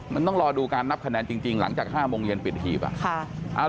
มันต้องรอดูการนับคะแนนจริงหลังจาก๕โมงเย็นปิดหีบ